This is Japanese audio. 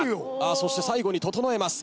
そして最後に整えます。